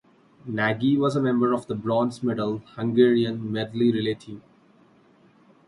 Nagy was a member of the bronze medal Hungarian medley relay team.